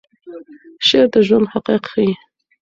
شعر د ژوند حقایق ښیي.